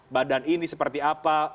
badan ini seperti apa